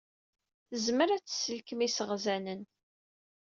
Tezmer ad tselkem iseɣzanen.